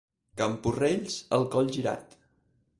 Camporrells, el coll girat.